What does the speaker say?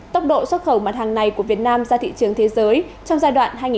tốc độ xuất khẩu mặt hàng này của việt nam ra thị trường thế giới